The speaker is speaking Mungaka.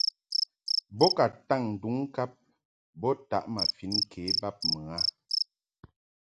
Bo ka taŋ nduŋ ŋkab bo taʼ ma fin ke bab mɨ a.